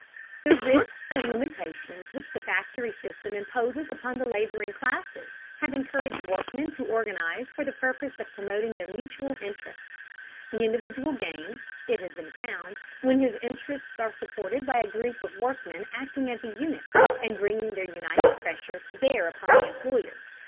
The risks and limitations which the factory system imposes upon the laboring classes have encouraged workmen to organize for the purpose of promoting their mutual interests. The individual gains, it has been found, when his interests are supported by a group of workmen acting as a unit, and bringing their united pressure to bear upon the employer.